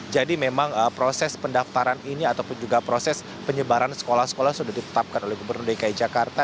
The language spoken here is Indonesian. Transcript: jadi memang proses pendaftaran ini ataupun juga proses penyebaran sekolah sekolah sudah ditetapkan oleh gubernur dki jakarta